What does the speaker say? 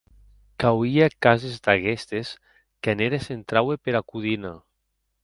Qu’auie cases d’aguestes qu’en eres s’entraue pera codina.